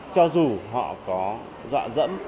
cho dù họ có dọa dơ